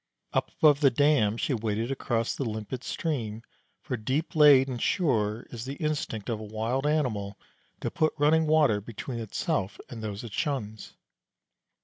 Up above the dam she waded across the limpid stream, for deep laid and sure is the instinct of a wild animal to put running water between itself and those it shuns.